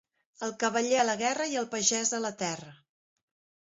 El cavaller a la guerra i el pagès a la terra.